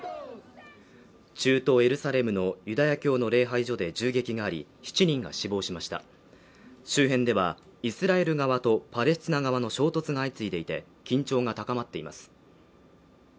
中東エルサレムのユダヤ教の礼拝所で銃撃があり７人が死亡しました周辺ではイスラエル側とパレスチナ側の衝突が相次いでいて緊張が高まっています